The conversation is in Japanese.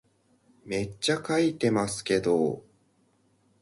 めっちゃ書いてますけど